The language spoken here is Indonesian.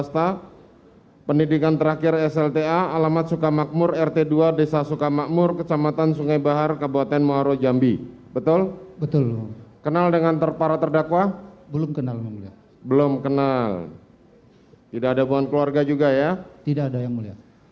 tidak ada yang mulia